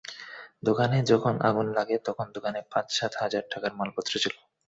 দোকানে যখন আগুন লাগে, তখন দোকানে পাঁচ-সাত হাজার টাকার মালপত্র ছিল।